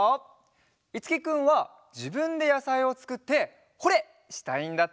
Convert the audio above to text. いつきくんはじぶんでやさいをつくって「ホ・レッ！」したいんだって。